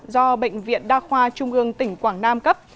do bệnh viện đa khoa trung ương tỉnh quảng nam cấp